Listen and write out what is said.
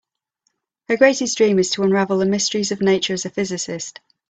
Her greatest dream is to unravel the mysteries of nature as a physicist.